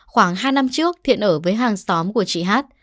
khoảng hai năm trước thiện ở với hàng xóm của chị hát